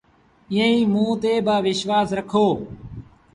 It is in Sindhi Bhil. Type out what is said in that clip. ايٚئيٚنٚ موٚنٚ تي با وشوآس رکو۔